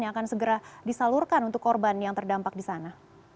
yang akan segera disalurkan untuk korban yang terdampak di sana